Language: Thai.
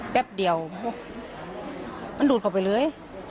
แป๊บเดียวมันดูดเข้าไปเลย